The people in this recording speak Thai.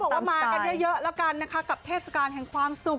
มากันเยอะแล้วกันนะคะกับเทศกาลแห่งความสุข